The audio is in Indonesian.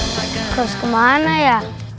kau harus kemana ya